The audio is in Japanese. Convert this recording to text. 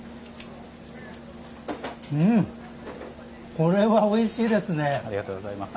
これはおいしいですね。